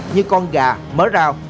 như con gà mớ rào